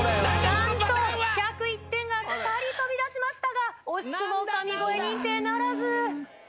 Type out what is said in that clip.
なんと１０１点が２人飛び出しましたが惜しくも神声認定ならず。